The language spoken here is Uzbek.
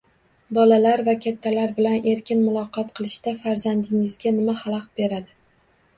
Bolalar va kattalar bilan erkin muloqot qilishda farzandingizga nima xalaqit beradi?